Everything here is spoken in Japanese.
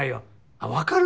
あっわかる？